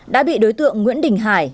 đã bị đối tượng nguyễn đình hải